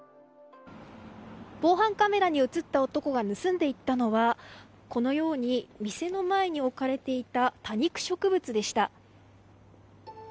防犯カメラに映った男が盗んでいったのは、このように店の前に置かれていた多肉植物でした。